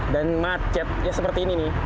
dan macet ya seperti ini nih